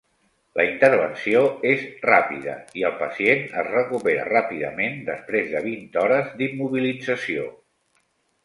La intervenció és ràpida i el pacient es recupera ràpidament després de vint hores d'immobilització.